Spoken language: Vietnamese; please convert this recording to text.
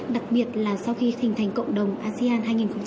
đặc biệt là sau khi thành thành cộng đồng asean hai nghìn một mươi năm